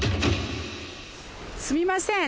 すみません